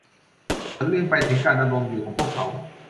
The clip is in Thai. ฉันลืมไปถึงการดำรงอยู่ของพวกเขา